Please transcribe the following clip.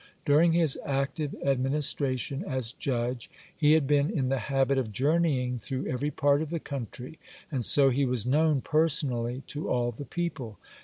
During his active administration as judge, he had been in the habit of journeying through every part of the country, and so he was known personally to all the people.